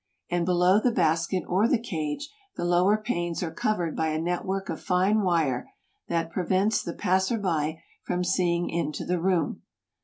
And below the basket or the cage, the lower panes are covered by a net work of fine wire that prevents the passer by from seeing into the room.